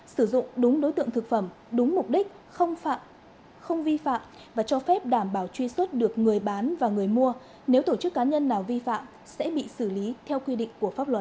sử dụng đúng đối tượng thực phẩm đúng mục đích không vi phạm và cho phép đảm bảo truy xuất được người bán và người mua nếu tổ chức cá nhân nào vi phạm sẽ bị xử lý theo quy định của pháp luật